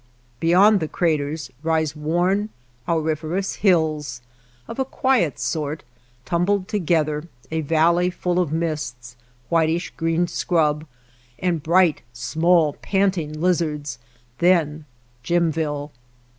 Beyond the craters rise worn, auriferous hills of a quiet sort, tumbled together; a valley full of mists ; whitish green scrub ; and bright, small, panting lizards ; then Jimville.